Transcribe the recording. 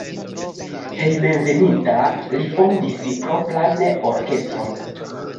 Hejmenveninta li fondis propran orkestron.